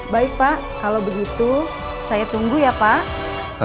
baik pak kalau begitu saya tunggu ya pak